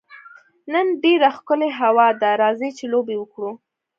نن ډېره ښکلې هوا ده، راځئ چي لوبي وکړو.